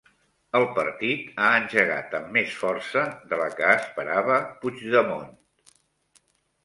El partit ha engegat amb més força de la que esperava Puigdemont.